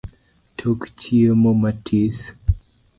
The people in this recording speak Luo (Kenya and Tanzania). Tok chiemo matis